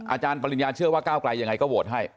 อาจารย์ปริญญาเชื่อว่าก้าวไกลยังไงก็โหวตให้